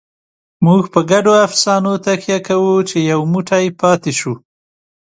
موږ په ګډو افسانو تکیه کوو، چې یو موټی پاتې شو.